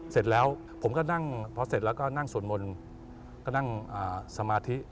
เสร็จแล้วผมก็นั่งพอเสร็จแล้วก็นั่งสวดมนต์ก็นั่งสมาธิ